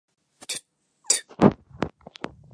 買掛金